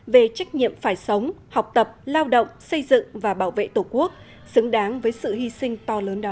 về trách nhiệm phải sống học tập lao động xây dựng và bảo vệ tổ quốc xứng đáng với sự hy sinh to lớn đó